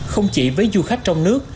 không chỉ với du khách trong nước